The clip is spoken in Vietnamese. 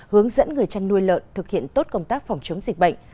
hướng dẫn người chăn nuôi lợn thực hiện tốt công tác phòng chống dịch bệnh